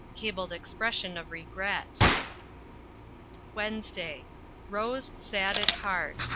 Cabled expression of regret. WEDNESDAY. Rose sad at heart.